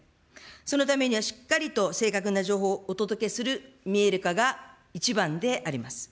そのためにはしっかりと正確な情報をお届けする見える化が一番であります。